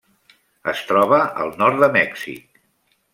Es troba al nord de Mèxic.